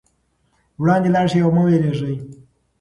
وړاندې لاړ شئ او مه وېرېږئ.